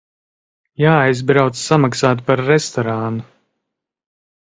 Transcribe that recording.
Jāaizbrauc samaksāt par restorānu.